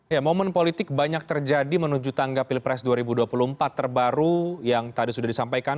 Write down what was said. ya momen politik banyak terjadi menuju tangga pilpres dua ribu dua puluh empat terbaru yang tadi sudah disampaikan